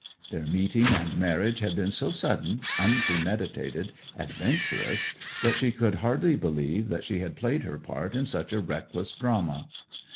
Their meeting and marriage had been so sudden, unpremeditated, adventurous, that she could hardly believe that she had played her part in such a reckless drama.